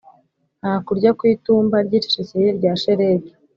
nka kurya kw'itumba ryicecekeye rya shelegi